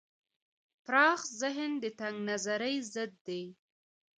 پراخ ذهن د تنگ نظرۍ ضد دی.